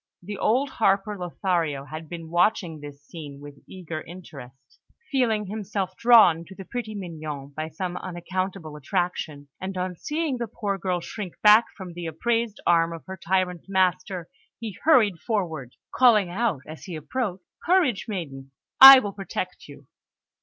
The old harper, Lothario, had been watching this scene with eager interest, feeling himself drawn to the pretty Mignon by some unaccountable attraction; and on seeing the poor girl shrink back from the upraised arm of her tyrant master, he hurried forward, calling out as he approached: "Courage, maiden! I will protect you!"